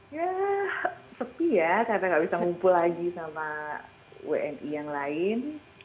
ya sepi ya karena gak bisa ngumpul lagi sama wni yang lain